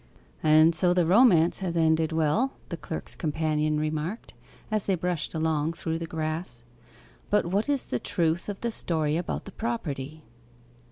'And so the romance has ended well,' the clerk's companion remarked, as they brushed along through the grass. 'But what is the truth of the story about the property?